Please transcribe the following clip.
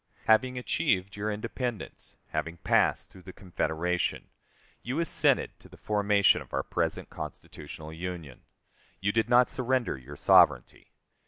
Having achieved your independence, having passed through the Confederation, you assented to the formation of our present constitutional Union. You did not surrender your sovereignty.